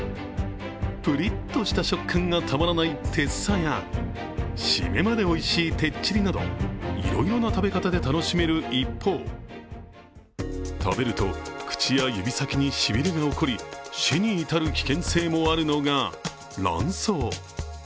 プリッとした食感がたまらない、てっさや締めまでおいしいてっちりなどいろいろな食べ方で楽しめる一方食べると口や指先にしびれが起こり死に至る危険性もあるのが卵巣。